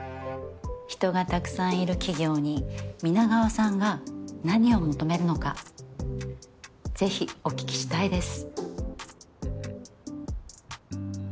人がたくさんいる企業に皆川さんが何を求めるのか是非お聞きしたいです。